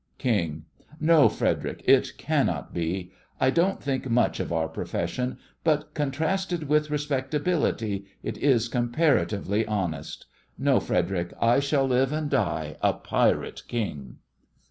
KING: No, Frederic, it cannot be. I don't think much of our profession, but, contrasted with respectability, it is comparatively honest. No, Frederic, I shall live and die a Pirate King.